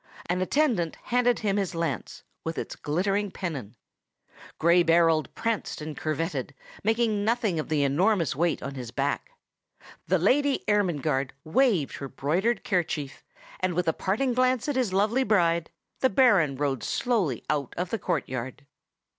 An attendant handed him his lance, with its glittering pennon. Gray Berold pranced and curvetted, making nothing of the enormous weight on his back; the Lady Ermengarde waved her broidered kerchief; and, with a parting glance at his lovely bride, the Baron rode slowly out of the courtyard.